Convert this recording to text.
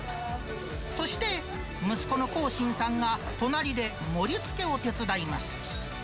そして、息子の航進さんが隣で盛りつけを手伝います。